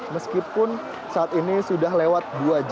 meskipun saat ini sudah lewat dua jam